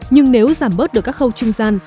nhưng nếu giảm bớt được các khâu trung gian